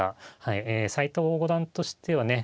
斎藤五段としてはね